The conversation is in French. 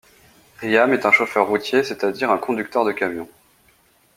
Ryham est un chauffeur routier, c'est à dire un conducteur de camion.